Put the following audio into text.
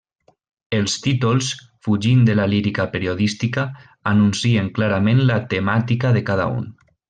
Els títols, fugint de la lírica periodística, anuncien clarament la temàtica de cada un.